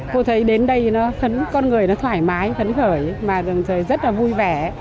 cô thấy đến đây con người nó thoải mái khấn khởi mà đồng thời rất là vui vẻ